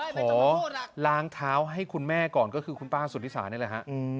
ขอล้างเท้าให้คุณแม่ก่อนก็คือคุณป้าสุธิสานี่แหละฮะ